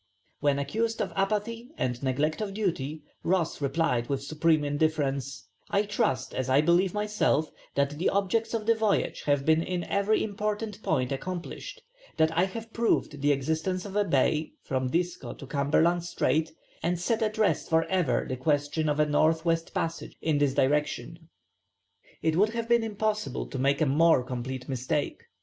When accused of apathy and neglect of duty, Ross replied with supreme indifference, "I trust, as I believe myself, that the objects of the voyage have been in every important point accomplished; that I have proved the existence of a bay, from Disco to Cumberland Strait, and set at rest for ever the question of a north west passage in this direction." It would have been impossible to make a more complete mistake.